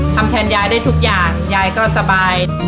ทำแทนยายได้ทุกอย่างยายก็สบาย